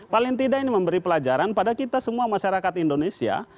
paling tidak ini memberi pelajaran pada kita semua masyarakat indonesia